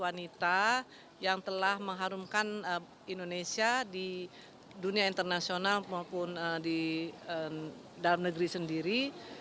penghargaan ini juga mengharumkan indonesia di dunia internasional maupun di dalam negeri sendiri